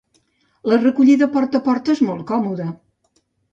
la recollida porta a porta és molt còmoda